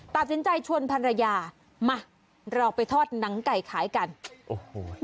ตัดสินใจชวนภรรยามาเราไปทอดหนังไก่ขายกันโอ้โห